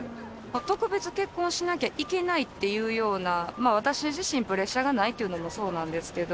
特別結婚しなきゃいけないっていうような、私自身、プレッシャーがないっていうのもそうなんですけど。